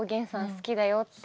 好きだよって。